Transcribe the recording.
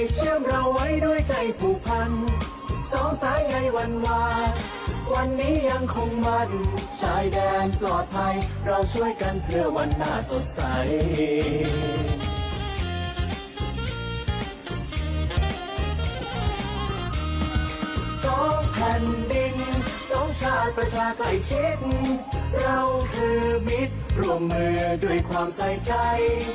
สองแผ่นดินสองชายประชาไตยเช่นเราคือมิตรร่วมมือด้วยความใส่ใจ